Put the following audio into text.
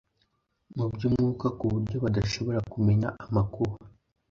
mu by’umwuka ku buryo badashobora kumenya amakuba